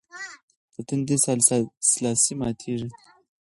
د تندي سلاسې ماتېږي.